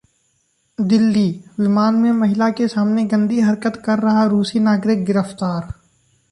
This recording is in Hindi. दिल्ली: विमान में महिला के सामने गंदी हरकत कर रहा रूसी नागरिक गिरफ्तार